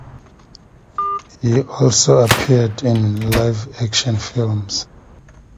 He also appeared in live-action films.